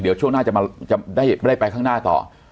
เดี๋ยวช่วงหน้าจะไม่ได้ไปข้างหน้าต่อ